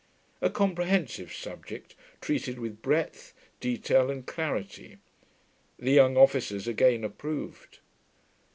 A comprehensive subject, treated with breadth, detail, and clarity. The young officers again approved.